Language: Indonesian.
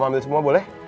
om ambil semua boleh